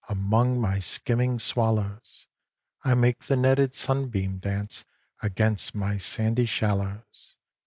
Among my skimming swallows; I make the netted sunbeam dance Against my sandy shallows.